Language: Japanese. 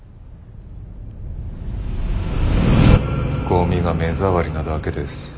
ゴミが目障りなだけです。